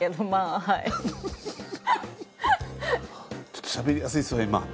ちょっとしゃべりやすいですわ今。